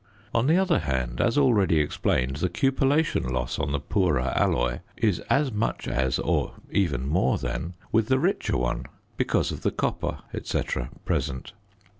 On the other hand, as already explained, the cupellation loss on the poorer alloy is as much as, or even more than, with the richer one, because of the copper, &c. present.